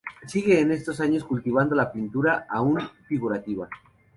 Sigue en estos años cultivando la pintura, aún figurativa.